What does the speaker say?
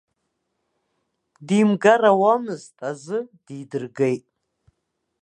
Димгар ауамызт азы дидыргеит!